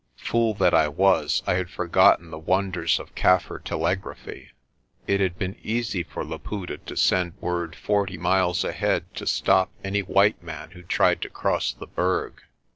Fool that I was, I had forgotten the wonders of Kaffir telegraphy. It had been easy for Laputa to send word forty miles ahead to stop any white man who tried to cross the Berg.